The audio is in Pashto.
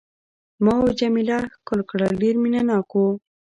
ما او جميله ښکل کړل، ډېر مینه ناک وو.